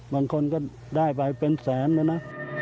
บางคนก็ได้ไปเป็นแสนเลยนะ